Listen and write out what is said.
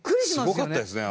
すごかったですね